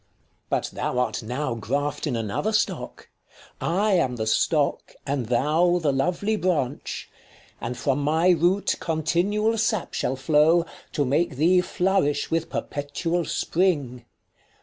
But thou art now graft in another stock ; 1 5 I am the stock, and thou the lovely branch : And from my root continual sap shall flow, To make thee flourish with perpetual spring.